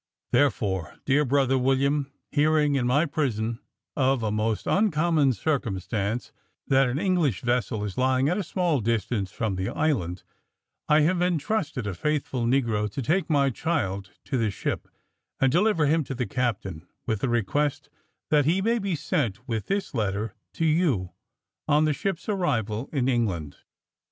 "Therefore, dear brother William, hearing in my prison of a most uncommon circumstance, which is, that an English vessel is lying at a small distance from the island, I have entrusted a faithful negro to take my child to the ship, and deliver him to the captain, with a request that he may be sent (with this letter) to you on the ship's arrival in England.